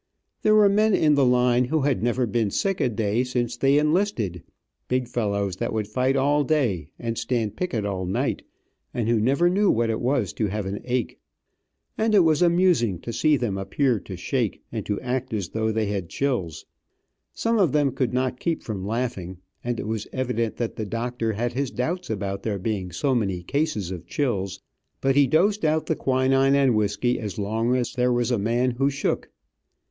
There were men in the line who had never been sick a day since they enlisted, big fellows that would fight all day, and stand picket all night, and who never knew what it was to have an ache. And it was amusing to see them appear to shake, and to act as though they had chills. Some of them could not keep from laughing, and it was evident that the doctor had his doubts about there being so many cases of chills, but he dosed out the quinine and whisky as long as there was a man who shook.